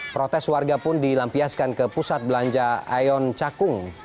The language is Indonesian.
protes warga pun dilampiaskan ke pusat belanja aeon cakung